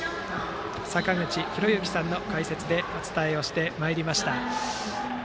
坂口裕之さんの解説でお伝えをしてまいりました。